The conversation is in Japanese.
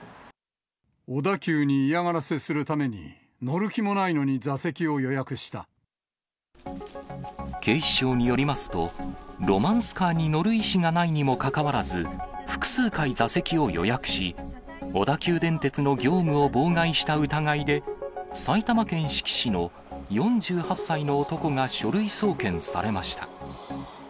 小田急に嫌がらせするために、警視庁によりますと、ロマンスカーに乗る意思がないにもかかわらず、複数回座席を予約し、小田急電鉄の業務を妨害した疑いで、埼玉県志木市の４８歳の男が書類送検されました。